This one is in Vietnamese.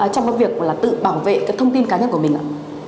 trong việc tự bảo vệ thông tin cá nhân của mình ạ